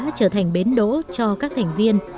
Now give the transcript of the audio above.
trở thành bến đỗ cho các thành viên